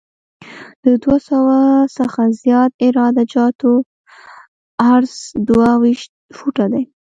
د دوه سوه څخه زیات عراده جاتو لپاره عرض دوه ویشت فوټه دی